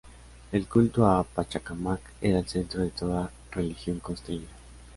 El culto a Pachacámac era el centro de toda religión costeña.